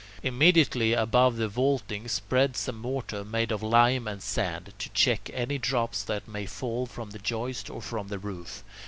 Immediately above the vaulting spread some mortar made of lime and sand, to check any drops that may fall from the joists or from the roof.